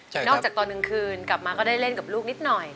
นอกจากตอนกลางคืนกลับมาก็ได้เล่นกับลูกนิดหน่อย